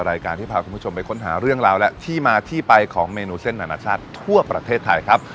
รายการที่พาคุณผู้ชมไปค้นหาเรื่องราวและที่มาที่ไปของเมนูเส้นนานาชาติทั่วประเทศไทยครับ